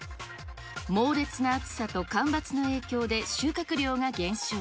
猛烈な暑さと干ばつの影響で収穫量が減少。